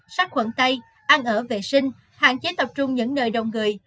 sát khuẩn tay ăn ở vệ sinh hạn chế tập trung những nơi đông người